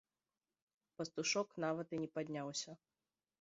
Пастушок нават і не падняўся.